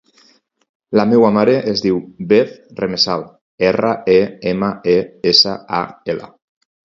La meva mare es diu Beth Remesal: erra, e, ema, e, essa, a, ela.